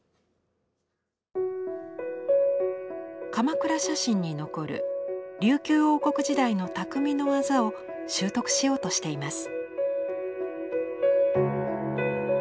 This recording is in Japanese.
鎌倉写真に残る琉球王国時代の匠の技を習得しようとしています。